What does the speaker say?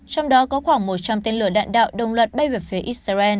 trong đó có khoảng một trăm linh tên lửa đạn đạo đông luật bay về phía israel